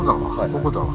ここだわ。